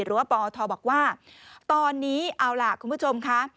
ปอทบอกว่าตอนนี้เอาล่ะคุณผู้ชมค่ะ